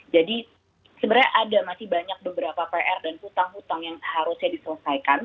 jadi sebenarnya ada masih banyak beberapa pr dan hutang hutang yang harusnya diselesaikan